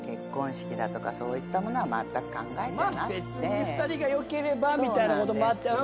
まあ別に２人がよければみたいなこともあって。